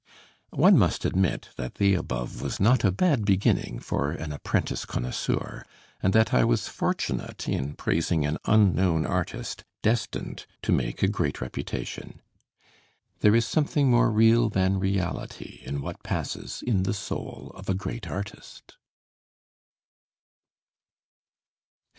One must admit that the above was not a bad beginning for an apprentice connoisseur, and that I was fortunate in praising an unknown artist destined to make a great reputation.... There is something more real than reality in what passes in the soul of a great artist!